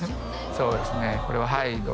そうですね